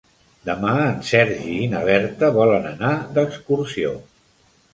Demà en Sergi i na Berta volen anar d'excursió.